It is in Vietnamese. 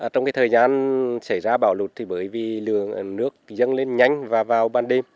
trong cái thời gian xảy ra bão lụt thì bởi vì nước dâng lên nhanh và vào ban đêm